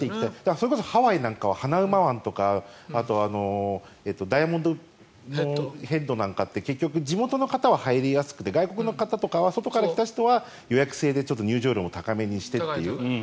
それこそハワイなんかはハナウマ湾とかダイヤモンドヘッドなんかって結局、地元の方は入りやすくて外国の方とか外から来た人は予約制で入場料も高めにしてという。